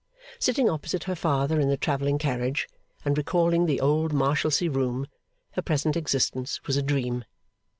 Sitting opposite her father in the travelling carriage, and recalling the old Marshalsea room, her present existence was a dream.